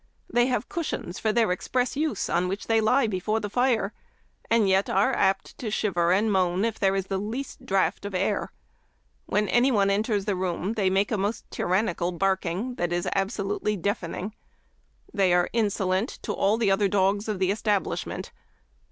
They have cushions for their express use on which they lie before the fire, and yet are apt to shiver and moan if there is the least draught of air. When any one enters the room they make a most tyrannical barking that is absolutely deafening. They are insolent to all the other dogs of the establishment.